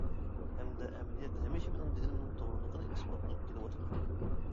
ھەمدە ئەمەلىيەت ھەمىشە مېنىڭ دېگىنىمنىڭ توغرىلىقىنى ئىسپاتلاپ كېلىۋاتىدۇ.